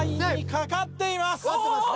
かかってますね。